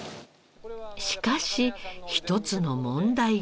しかし一つの問題が。